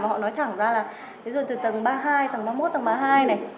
mà họ nói thẳng ra là từ tầng ba hai tầng năm một tầng ba hai này